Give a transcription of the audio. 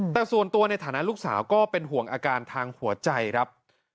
แต่ส่วนตัวในฐานะลูกสาวก็เป็นห่วงอาการทางหัวใจครับ